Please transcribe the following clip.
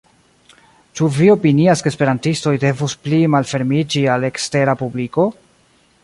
Ĉu vi opinias ke esperantistoj devus pli malfermiĝi al ekstera publiko?